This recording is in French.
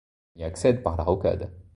On y accède par la Rocade.